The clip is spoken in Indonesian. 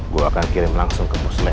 gue akan kirim langsung ke muslim